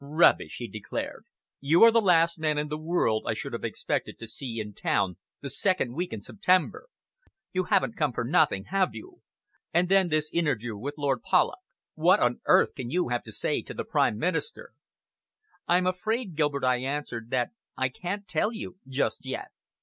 "Rubbish!" he declared, "you are the last man in the world I should have expected to see in town the second week in September! You haven't come for nothing, have you? And then this interview with Lord Polloch. What on earth can you have to say to the Prime Minister?" "I'm afraid, Gilbert," I answered, "that I can't tell you just yet.